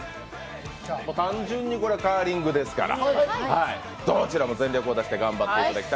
単純にカーリングですからどちらも全力を出してお願いします。